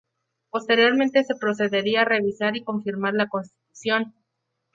Posteriormente se procedería a revisar y confirmar la Constitución.